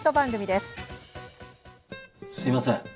すいません。